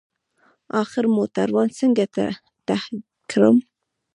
اخر موټروان څنگ ته کړم.